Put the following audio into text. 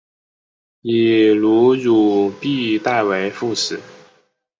以卢汝弼代为副使。